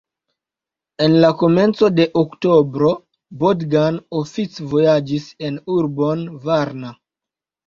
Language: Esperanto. En la komenco de oktobro Bogdan oficvojaĝis en urbon Varna.